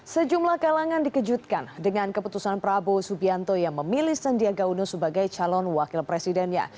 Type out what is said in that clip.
sejumlah kalangan dikejutkan dengan keputusan prabowo subianto yang memilih sandiaga uno sebagai calon wakil presidennya